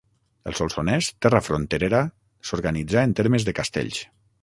El Solsonès, terra fronterera, s'organitzà en termes de castells.